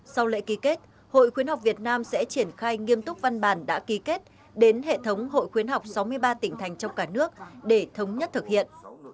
sau lễ ký kết hội khuyến học việt nam sẽ triển khai nghiêm túc văn bản đã ký kết đến hệ thống hội khuyến học sáu mươi ba tỉnh thành trong cả nước để thống nhất thực hiện